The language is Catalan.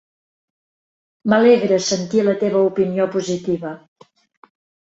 M'alegra sentir la teva opinió positiva.